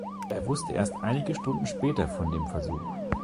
Er wusste erst einige Stunden später von dem Versuch.